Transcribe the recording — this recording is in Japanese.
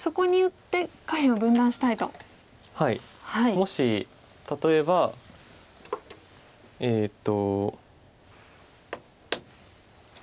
もし例えばえっと。